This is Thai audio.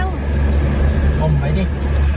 ออกไปนี่